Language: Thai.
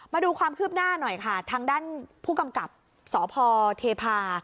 มาดูความคืบหน้าหน่อยค่ะทางด้านผู้กำกับสพเทพา